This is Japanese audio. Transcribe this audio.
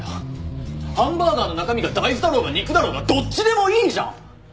ハンバーガーの中身が大豆だろうが肉だろうがどっちでもいいじゃん！